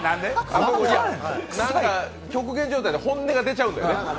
極限状態で本音が出ちゃうんだよね。